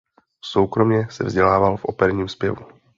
Soukromě se vzdělával v operním zpěvu.